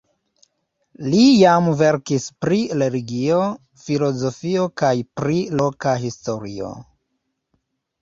Li jam verkis pri religio, filozofio kaj pri loka historio.